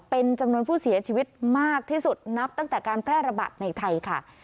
เป็นจำนวนผู้เสียชีวิตมากที่สุดนับตั้งแต่การแพร่ระบาดในไทยค่ะ